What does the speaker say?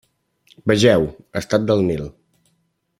Vegeu: estat del Nil.